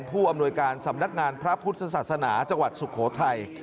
ผู้อำนวยการสำนักงานพระพุทธศาสนาจังหวัดสุโขทัย